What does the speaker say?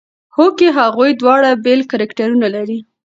هوکې هغوی دواړه بېل کرکټرونه لري.